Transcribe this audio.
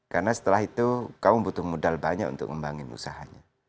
karena setelah itu kamu butuh modal banyak untuk membangun usahanya